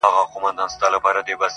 لا صوفي له پښو څپلۍ نه وې ایستلې-